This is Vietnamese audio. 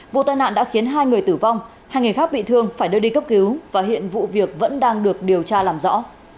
vụ tai nạn đã khiến hai người tử vong hai người khác bị thương phải đưa đi cấp cứu và hiện vụ việc vẫn đang được điều tra làm rõ